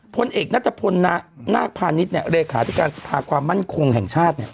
พลเอกนัทพลนาคพาณิชย์เนี่ยเลขาธิการสภาความมั่นคงแห่งชาติเนี่ย